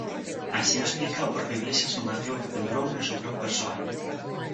Así o explica o propio Iglesias nun artigo que pendurou no seu blog persoal.